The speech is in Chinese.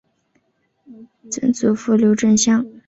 曾祖父刘震乡。